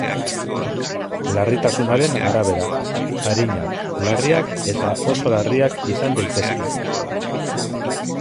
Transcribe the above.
Larritasunaren arabera: arinak, larriak eta oso larriak izan daitezke.